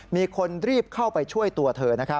มีคนรีบเข้าไปช่วยตัวเธอ